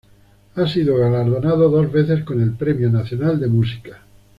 Ha sido galardonado dos veces con el Premio Nacional de Música.